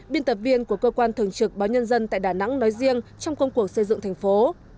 biên tập viên của cơ quan thường trực báo nhân dân tại đà nẵng nói riêng trong công cuộc xây dựng thành phố